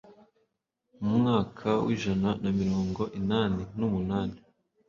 mu mwaka w'ijana na mirongo inani n'umunani